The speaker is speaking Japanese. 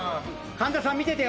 神田さん見ててよ。